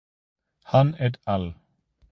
Han et al.